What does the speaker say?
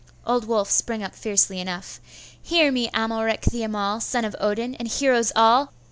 Old Wulf sprang up fiercely enough. 'Hear me, Amalric the Amal, son of Odin, and heroes all!